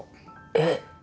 えっ？